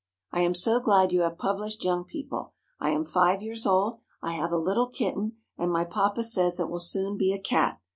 I am so glad you have published Young People. I am five years old. I have a little kitten, and my papa says it will soon be a cat.